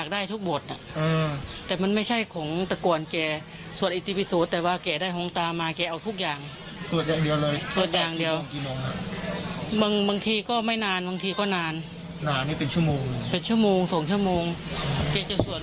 เดี๋ยวลองฟังแล้วกันนะครับ